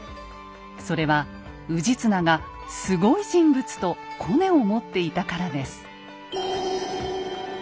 それは氏綱がスゴい人物とコネを持っていたからです。